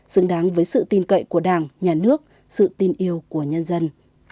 xứng đáng với sự tin cậy của đảng nhà nước sự tin yêu của nhân dân